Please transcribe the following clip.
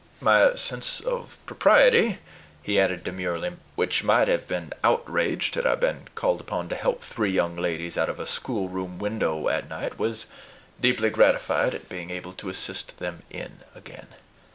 My sense of propriety," he added demurely, "which might have been outraged had I been called upon to help three young ladies out of a schoolroom window at night, was deeply gratified at being able to assist them in again."